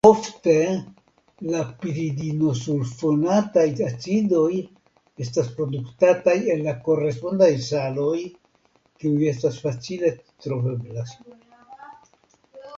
Ofte la piridinosulfonataj acidoj estas produktataj el la korespondaj saloj kiuj estas facile troveblaj.